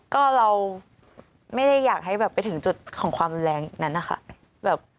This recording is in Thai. ก็เราไม่ได้อยากให้แบบไปถึงจุดของความแรงนั้นนะคะ